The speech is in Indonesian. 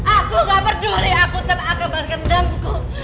aku gak peduli aku tetap akan bergendamku